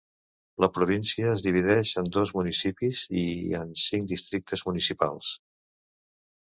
La província es divideix en dos municipis i en cinc districtes municipals.